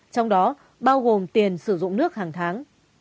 trong đó bao gồm tiền sử dụng nước hàng tháng